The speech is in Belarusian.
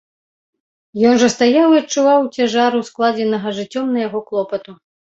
Ён жа стаяў і адчуваў цяжар ускладзенага жыццём на яго клопату.